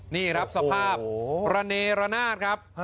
นี่ครับสภาพระเนระนาดครับ